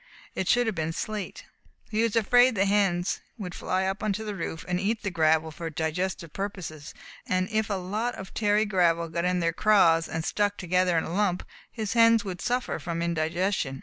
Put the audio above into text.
It should have been slate. He was afraid the hens would fly up onto the roof and eat the gravel for digestive purposes, and if a lot of tarry gravel got in their craws and stuck together in a lump, his hens would suffer from indigestion.